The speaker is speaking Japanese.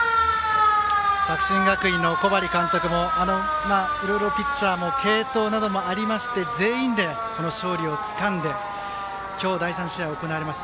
作新学院の小針監督もいろいろピッチャーの継投などもありまして全員で勝利をつかんで今日、第３試合で行われます